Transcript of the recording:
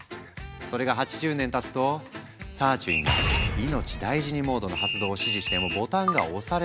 それが８０年たつとサーチュインが「いのちだいじにモード」の発動を指示してもボタンが押されない。